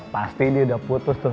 pasti dia udah putus tuh